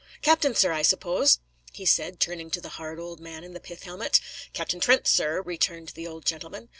"Captain, sir, I suppose?" he said, turning to the hard old man in the pith helmet. "Captain Trent, sir," returned the old gentleman.